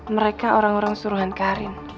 mereka orang orang suruhan karin